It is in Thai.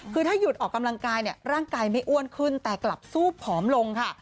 คือถ้าหยุดออกกำลังกายเนี่ยร่างกายไม่อ้วนขึ้นแต่กลับสู้ผอมลงค่ะ